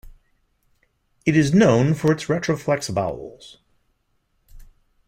It is known for its retroflex vowels.